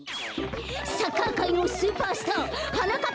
サッカーかいのスーパースターはなかっ